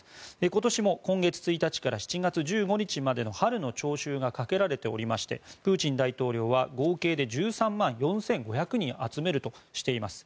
今年も今月１日から７月まで春の徴集がかけられておりましてプーチン大統領は合計１３万４５００人を集めるとしています。